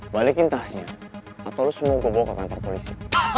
balikin tasnya atau lo semua ke kantor polisi